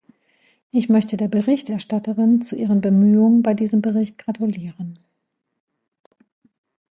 Ich möchte der Berichterstatterin zu ihren Bemühungen bei diesem Bericht gratulieren.